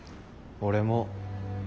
俺も。